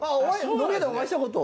飲み屋でお会いしたこと。